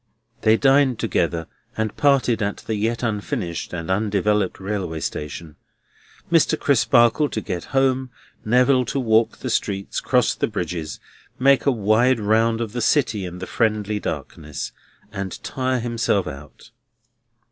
They dined together, and parted at the yet unfinished and undeveloped railway station: Mr. Crisparkle to get home; Neville to walk the streets, cross the bridges, make a wide round of the city in the friendly darkness, and tire himself out.